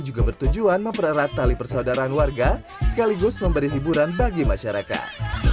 juga bertujuan mempererat tali persaudaraan warga sekaligus memberi hiburan bagi masyarakat